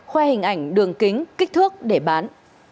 khoe hình ảnh đường kính kích thước để bán